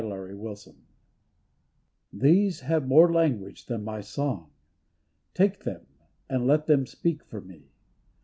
271 WITH FLOWERS These have more language than my song, Take them and let them speak for me.